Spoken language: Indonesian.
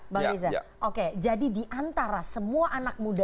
bang riza jadi di antara semua anak muda